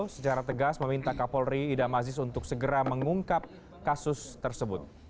secara tegas meminta kapolri idam aziz untuk segera mengungkap kasus tersebut